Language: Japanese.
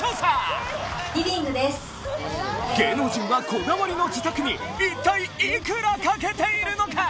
芸能人はこだわりの自宅に一体いくらかけているのか？